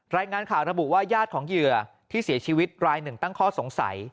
รายงานข่าวระบุว่าญาติของเหยื่อที่เสียชีวิตรายหนึ่งตั้งข้อสงสัย